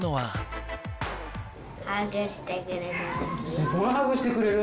中でもハグしてくれる。